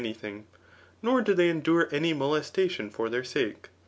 343 nor do they endure any molestation for their sake.